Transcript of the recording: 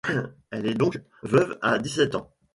Elle est donc veuve à dix-sept ans.